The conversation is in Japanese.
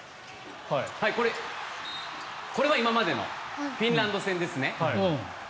これは今までのフィンランド戦ですね。